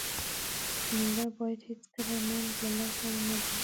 مېړه بايد هيڅکله ننګ له لاسه و نه باسي.